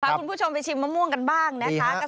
คุณผู้ชมไปชิมมะม่วงกันบ้างนะคะ